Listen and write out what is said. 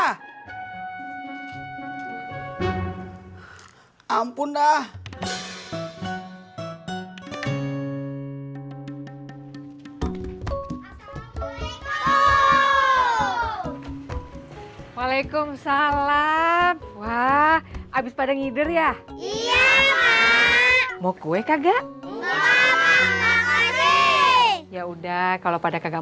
assalamualaikum waalaikumsalam wah habis pada ngider ya iya mau kue kagak ya udah kalau pada kagak